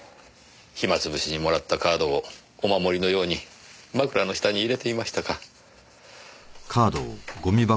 暇つぶしにもらったカードをお守りのように枕の下に入れていましたか。